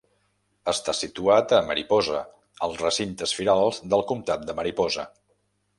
Està situat a Mariposa als recintes firals del comtat de Mariposa.